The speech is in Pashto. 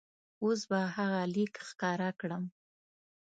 اوس به هغه لیک ښکاره کړم.